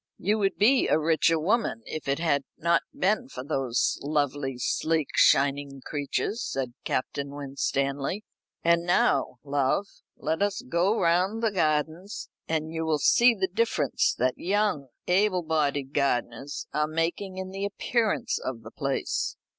"You would be a richer woman if it had not been for those lovely, sleek, shining creatures," said Captain Winstanley. "And now, love, let us go round the gardens, and you will see the difference that young able bodied gardeners are making in the appearance of the place."